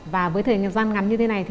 và với thời gian ngắn như thế này